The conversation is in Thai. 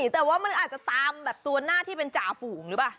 แต่ว่ามันอาจจะตามแบบตัวหน้าที่เป็นจ่าฝูงหรือเปล่า